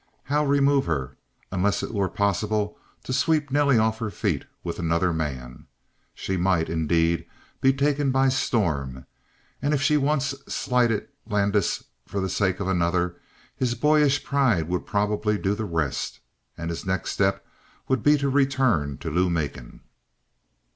How remove her, unless it were possible to sweep Nelly off her feet with another man? She might, indeed, be taken by storm, and if she once slighted Landis for the sake of another, his boyish pride would probably do the rest, and his next step would be to return to Lou Macon.